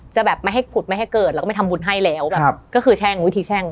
จะแบบไม่ให้ผุดไม่ให้เกิดแล้วก็ไม่ทำบุญให้แล้วแบบก็คือแช่งวิธีแช่ง